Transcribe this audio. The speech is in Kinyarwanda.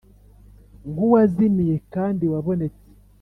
nkuwazimiye kandi wabonetse